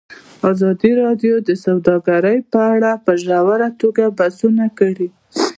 ازادي راډیو د سوداګري په اړه په ژوره توګه بحثونه کړي.